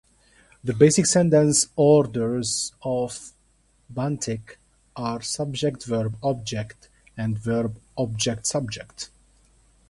The basic sentence orders of Bantik are subject-verb-object and verb-object-subject.